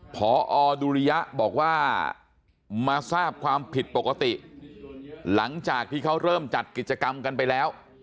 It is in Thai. พอดุริยะบอกว่ามาทราบความผิดปกติหลังจากที่เขาเริ่มจัดกิจกรรมกันไปแล้ว